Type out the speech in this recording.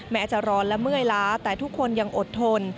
จะร้อนและเมื่อยล้าแต่ทุกคนยังอดทน